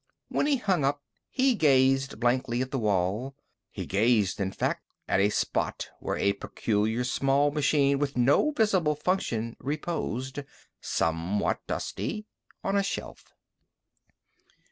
When he hung up, he gazed blankly at the wall. He gazed, in fact, at a spot where a peculiar small machine with no visible function reposed somewhat dusty on a shelf.